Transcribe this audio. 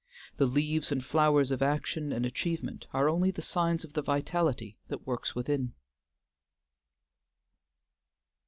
The leaves and flowers of action and achievement are only the signs of the vitality that works within.